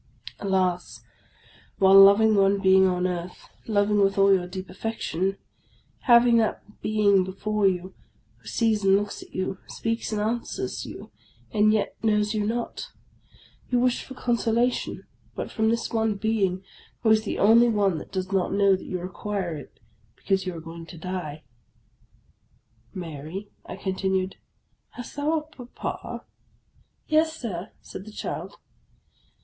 Alas ! while loving one being on earth, loving with all your deep affection, having that being before you, who sees and looks at you, speaks and answers you, and yet knows you not ! You wish for consolation but from this one being, who is the only once that does not know that you require it because you are going to die !" Mary," I continued, " hast thou a papa ?"" Yes, Sir," said the child.